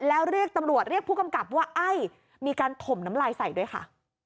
แล้วเรียกตำรวจเรียกผู้กำกับว่าไอ้มีการถมน้ำลายใส่ด้วยค่ะ